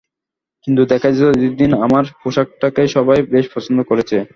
কিন্তু দেখা যেত, ঈদের দিন আমার পোশাকটাকেই সবাই বেশ পছন্দ করেছে।